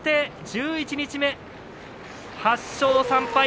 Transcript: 十一日目、８勝３敗。